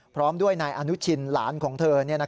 พร้อมด้วยนายอนุชินหลานของเธอ